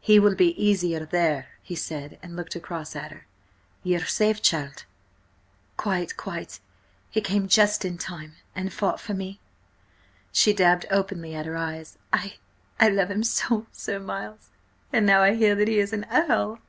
"He will be easier there," he said, and looked across at her. "Ye are quite safe, child?" "Quite–quite— He came just in time–and fought for me." She dabbed openly at her eyes. "I–I love him so, Sir Miles–and now I hear that he is an Earl!"